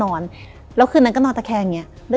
มีความรู้สึกว่ามีความรู้สึกว่ามีความรู้สึกว่า